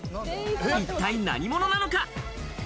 一体何者なのか？